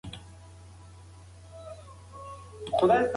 د دنیا ژوند لنډ دی.